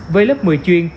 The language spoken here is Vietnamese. với lớp một mươi chuyên